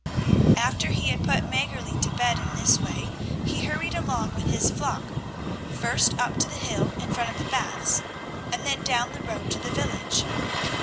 After he had put Mäggerli to bed in this way, he hurried along with his flock, first up to the hill in front of the Baths, and then down the road to the village.